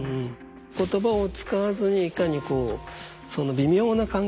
言葉を使わずにいかにこうその微妙な関係？